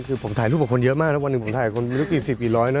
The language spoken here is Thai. คือผมถ่ายรูปกับคนเยอะมากแล้ววันหนึ่งผมถ่ายคนไม่รู้กี่สิบกี่ร้อยนะ